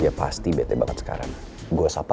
ya pasti bete banget sekarang gue sapa